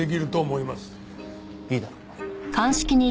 いいだろう。